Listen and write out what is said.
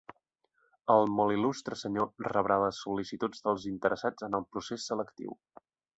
El Molt Il·lustre Senyor rebrà les sol·licituds dels interessats en el procés selectiu.